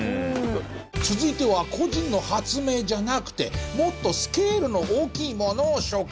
続いては個人の発明じゃなくてもっとスケールの大きいものを紹介。